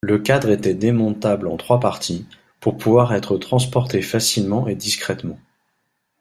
Le cadre était démontable en trois parties, pour pouvoir être transporté facilement et discrètement.